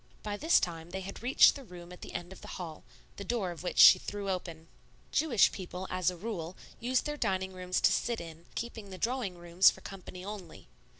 By this time they had reached the room at the end of the hall, the door of which she threw open. Jewish people, as a rule, use their dining rooms to sit in, keeping the drawing rooms for company only.